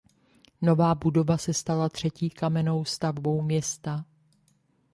Nová budova se stala třetí kamennou stavbou města.